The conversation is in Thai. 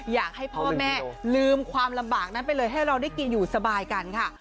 อยากให้พ่อแม่ลืมความลำบากนั้นไปเลยให้เราได้กินอยู่สบายกันค่ะ